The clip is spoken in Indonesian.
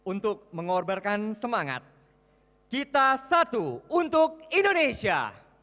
untuk mengorbankan semangat kita satu untuk indonesia